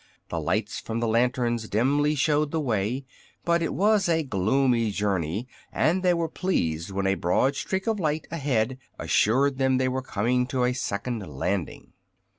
The lights from the lanterns dimly showed the way, but it was a gloomy journey, and they were pleased when a broad streak of light ahead assured them they were coming to a second landing.